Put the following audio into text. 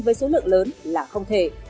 với số lượng lớn là không thể